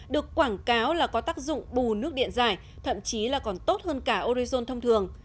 được quảng cáo là có tác dụng bù nước điện giải thậm chí là còn tốt hơn cả orizon thông thường